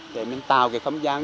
để mình tạo cái không gian